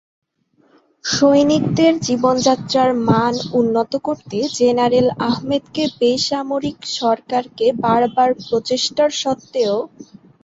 সৈনিকদের জীবনযাত্রার মান উন্নত করতে জেনারেল আহমেদকে বেসামরিক সরকারকে বার বার প্রচেষ্টার সত্ত্বেও।